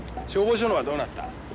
消防署の方はどうなった？